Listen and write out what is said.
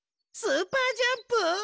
スーパージャンプ？